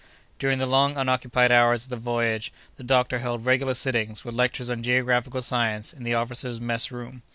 During the long, unoccupied hours of the voyage, the doctor held regular sittings, with lectures on geographical science, in the officers' mess room.